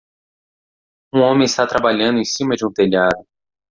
Um homem está trabalhando em cima de um telhado.